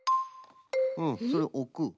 うんそれをおく。